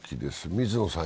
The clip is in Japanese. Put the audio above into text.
水野さん